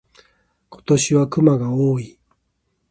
今年は熊が多い。